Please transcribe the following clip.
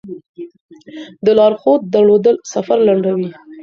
د لارښود درلودل سفر لنډوي.